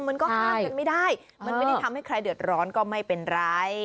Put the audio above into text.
มันก็ห้ามกันไม่ได้มันไม่ได้ทำให้ใครเดือดร้อนก็ไม่เป็นไร